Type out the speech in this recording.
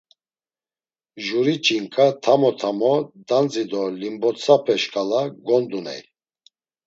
Juri ç̌inǩa tamo tamo dandzi do limbotsape şǩala gonduney.